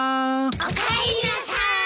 おかえりなさい。